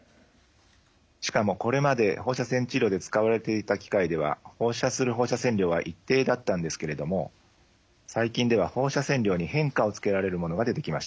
しかもこれまで放射線治療で使われていた機械では放射する放射線量は一定だったんですけれども最近では放射線量に変化をつけられるものが出てきました。